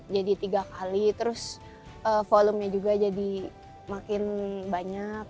jadi tiga kali terus volumenya juga jadi makin banyak